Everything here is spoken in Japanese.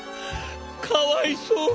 かわいそうに！